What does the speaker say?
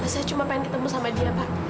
saya cuma pengen ketemu sama dia pak